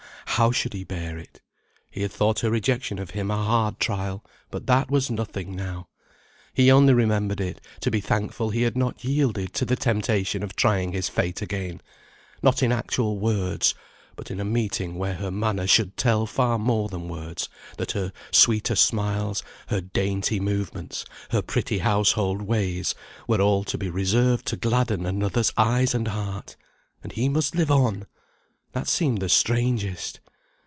how should he bear it? He had thought her rejection of him a hard trial, but that was nothing now. He only remembered it, to be thankful he had not yielded to the temptation of trying his fate again, not in actual words, but in a meeting, where her manner should tell far more than words, that her sweeter smiles, her dainty movements, her pretty household ways, were all to be reserved to gladden another's eyes and heart. And he must live on; that seemed the strangest.